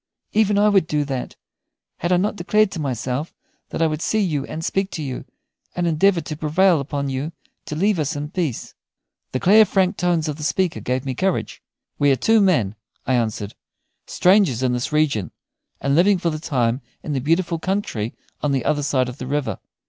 Even I would do that, had not I declared to myself that I would see you and speak to you, and endeavor to prevail upon you to leave us in peace." The clear, frank tones of the speaker gave me courage. "We are two men," I answered, "strangers in this region, and living for the time in the beautiful country on the other side of the river.